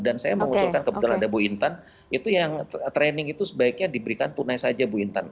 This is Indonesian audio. dan saya mengusulkan kebetulan ada bu intan itu yang training itu sebaiknya diberikan tunai saja bu intan